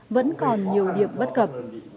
vẫn còn nhiều điểm bất cập